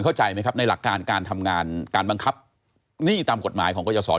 เข้าใจไหมครับในหลักการการทำงานการบังคับหนี้ตามกฎหมายของกรยศร